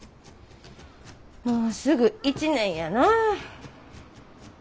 もうすぐ１年やな。